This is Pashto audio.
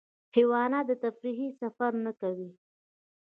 حیوانات د تفریح سفر نه کوي.